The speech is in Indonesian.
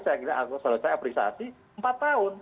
saya kira apresiasi empat tahun